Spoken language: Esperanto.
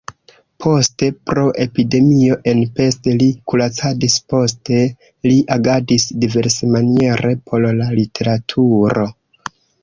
Poste pro epidemio en Pest li kuracadis, poste li agadis diversmaniere por la literaturo.